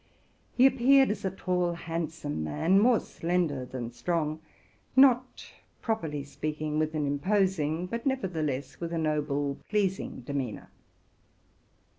He appeared as a tall, handsome man, more slender than strong, not. properly speaking, with an imposing, but nevertheless with a noble, pleasing, demeanor.